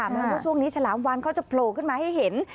แม้ว่าช่วงนี้ฉลามวานเขาจะโผล่ขึ้นมาให้เห็น